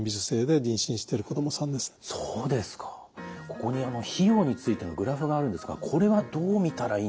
ここに費用についてのグラフがあるんですがこれはどう見たらいいんでしょうか？